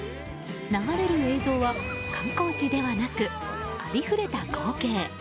流れる映像は観光地ではなく、ありふれた光景。